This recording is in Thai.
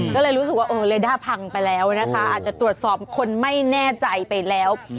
ก็เลยรู้สึกว่าเออเรด้าพังไปแล้วนะคะอาจจะตรวจสอบคนไม่แน่ใจไปแล้ว